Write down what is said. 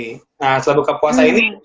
nah setelah buka puasa ini